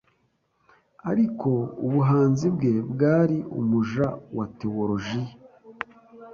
ariko ubuhanzi bwe bwari umuja wa tewolojiya